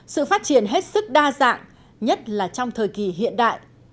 sự phát triển hết sức đa dạng nhất là trong thời kỳ hiện đại